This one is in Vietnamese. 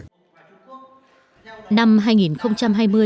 năm hai nghìn hai mươi đang dần khép lại với rất nhiều các sự kiện